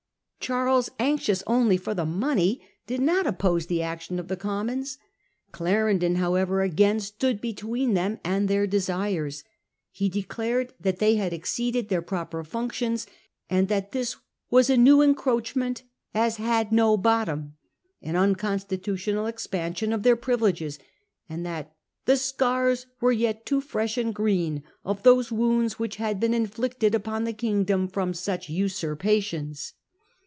Charles, anxious only for the money, did not oppose the action of the Commons. Clarendon however again stood between them and their desires. He declared that they had exceeded their proper functions, that this was ' a new encroachment as had no bottom/ an uncon stitutional expansion of their privileges, and that 'the scars were yet too fresh and green of those wounds which had been inflicted upon the kingdom from such usurpa tions.